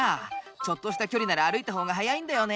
ちょっとした距離なら歩いた方が早いんだよね。